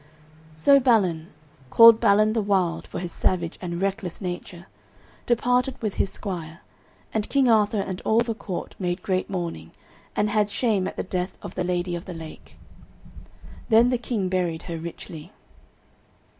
So Balin, called Balin the Wild for his savage and reckless nature, departed with his squire, and King Arthur and all the court made great mourning, and had shame at the death of the Lady of the Lake. Then the King buried her richly.